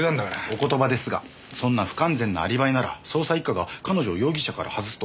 お言葉ですがそんな不完全なアリバイなら捜査一課が彼女を容疑者から外すとは考えにくい。